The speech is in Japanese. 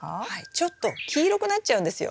ちょっと黄色くなっちゃうんですよ。